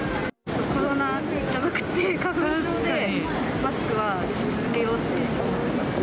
コロナじゃなくて、花粉症で、マスクはし続けようって思います。